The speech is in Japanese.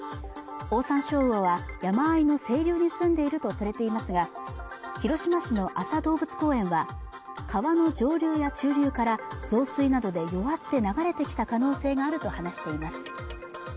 オオサンショウウオは山あいの清流に住んでいるとされていますが広島市の安佐動物公園は川の上流や中流から増水などで弱って流れてきた可能性があると話しています